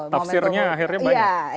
tafsirnya akhirnya banyak